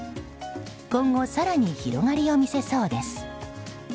今後、更に広がりを見せそうです。